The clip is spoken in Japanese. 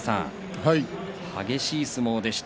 激しい相撲でした。